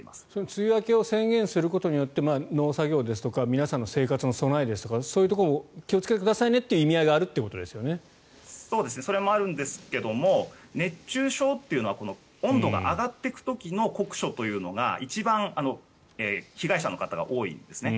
梅雨明けを宣言することによって農作業ですとか皆さんの生活の備えとかそういうことを気をつけてくださいねっていう意味合いがそれもあるんですけれども熱中症というのは温度が上がっていく時の酷暑というのが一番被害者の方が多いんですね。